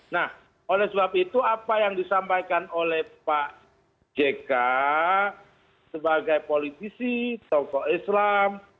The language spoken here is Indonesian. nah oleh sebab itu apa yang disampaikan oleh pak jk sebagai politisi tokoh islam